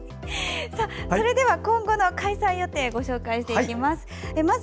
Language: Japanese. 今後の開催予定をご紹介していきます。